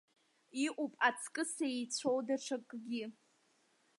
Иҟоуп аҵкыс еицәоу даҽакгьы.